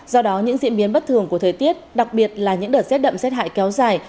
do đó những diễn biến bất thường của thời tiết đặc biệt là những đợt rét đậm rét hại kéo dài